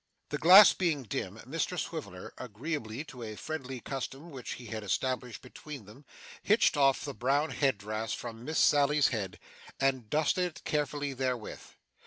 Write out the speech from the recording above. The glass being dim, Mr Swiveller, agreeably to a friendly custom which he had established between them, hitched off the brown head dress from Miss Sally's head, and dusted it carefully therewith.